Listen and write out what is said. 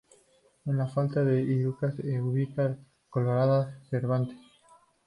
En la falda sur del Irazú se ubica la colada de Cervantes.